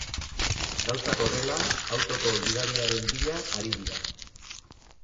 Gauzak horrela, autoko gidariaren bila ari dira.